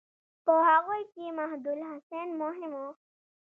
په هغوی کې محمودالحسن مهم و.